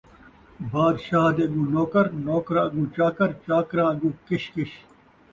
بادشاہ دے اڳوں نوکر، نوکراں اڳوں چاکر، چاکراں اڳوں کش کش